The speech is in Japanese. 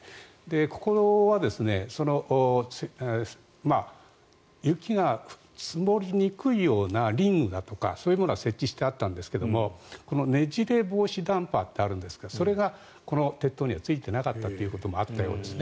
ここは雪が積もりにくいようなリングだとかそういうものは設置してあったんですがねじれ防止ダンパーってあるんですがそれがこの鉄塔にはついてなかったということもあったようですね。